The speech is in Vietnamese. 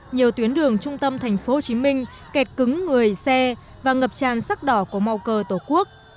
nhiều tuyến đường trung tâm tp hcm kẹt cứng người xe và ngập tràn sắc đỏ của màu cờ tổ quốc